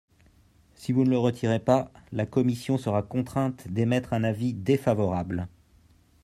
Si vous ne le retirez pas, la commission sera contrainte d’émettre un avis défavorable.